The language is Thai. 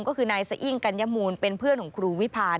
ก็คือนายสะอิ้งกัญญมูลเป็นเพื่อนของครูวิพาล